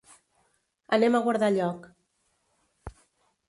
Anem a guardar lloc.